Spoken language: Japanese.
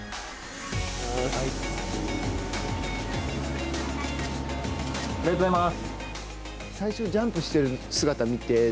ありがとうございます。